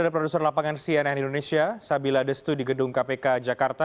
ada produser lapangan cnn indonesia sabila destu di gedung kpk jakarta